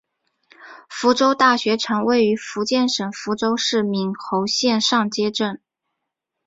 福州大学城位于福建省福州市闽侯县上街镇。